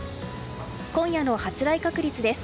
今夜の発雷確率です。